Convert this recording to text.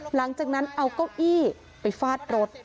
หลังจากนั้นเอาเก้าอี้ไปฟาดรถ